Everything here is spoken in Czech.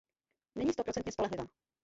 Není stoprocentně spolehlivá.